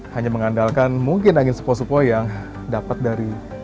hanya mengandalkan mungkin angin sepo sepo yang dapat dari